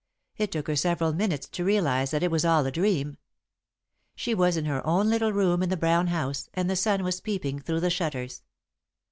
It took her several minutes to realise that it was all a dream. She was in her own little room in the brown house, and the sun was peeping through the shutters.